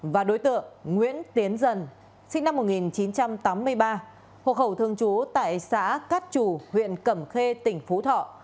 và đối tượng nguyễn tiến dần sinh năm một nghìn chín trăm tám mươi ba hộ khẩu thường trú tại xã cát chủ huyện cẩm khê tỉnh phú thọ